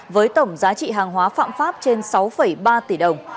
với tổng giá trị hàng hóa phạm pháp trên sáu ba tỷ đồng